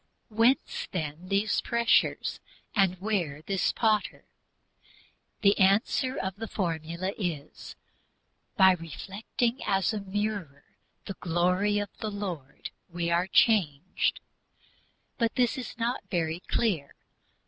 Whence, then, these pressures, and where this Potter? The answer of the formula is "By reflecting as a mirror the glory of the Lord we are changed." But this is not very clear.